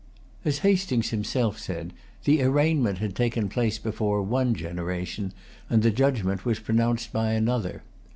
As Hastings himself said, the arraignment had taken place before one generation, and the judgment was pronounced by another.